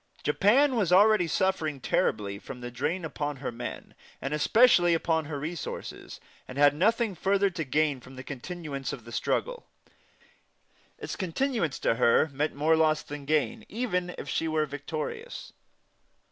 Japan was already suffering terribly from the drain upon her men, and especially upon her resources, and had nothing further to gain from continuance of the struggle; its continuance meant to her more loss than gain, even if she were victorious.